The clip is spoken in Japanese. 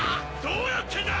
どうなってんだ！？